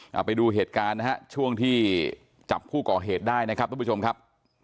เอาไปดูเหตุการณ์นะฮะช่วงที่จับผู้ก่อเหตุได้นะครับทุกผู้ชมครับ